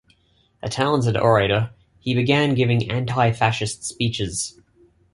A talented orator, he began giving anti-fascist speeches.